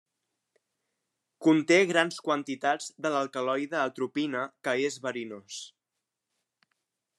Conté grans quantitats de l'alcaloide atropina que és verinós.